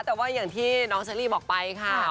แต่ว่าอย่างที่น้องเชอรี่บอกไปค่ะ